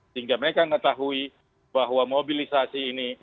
sehingga mereka mengetahui bahwa mobilisasi ini